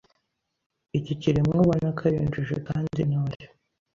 Iki kiremwa ubona ko ari injiji kandi ntoya